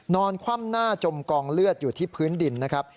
คว่ำหน้าจมกองเลือดอยู่ที่พื้นดินนะครับ